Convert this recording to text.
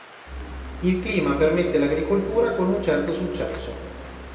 Il clima permette l'agricoltura con un certo successo.